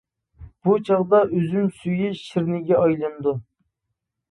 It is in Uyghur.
بۇ چاغدا ئۈزۈم سۈيى شىرنىگە ئايلىنىدۇ.